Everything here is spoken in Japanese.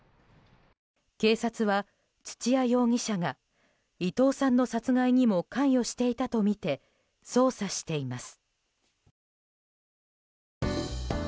警察は、土屋容疑者が伊藤さんの殺害にも関与していたとみて捜査しています。